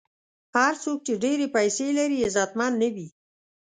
هر څوک چې ډېرې پیسې لري، عزتمن نه وي.